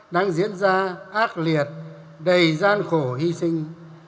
đang diễn ra ác liệt đầy gian khổ hy sinh